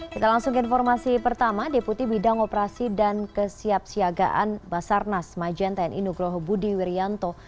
kita langsung ke informasi pertama deputi bidang operasi dan kesiapsiagaan basarnas majenten inugroho budi wirianto